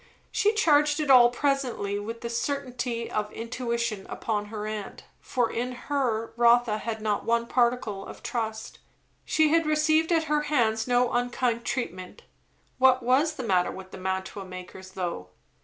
She charged it all presently with the certainty of intuition upon her aunt. For in her Rotha had not one particle of trust. She had received at her hands no unkind treatment, (what was the matter with the mantua makers, though?)